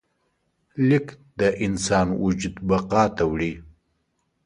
لیک د انسان وجود بقا ته وړي.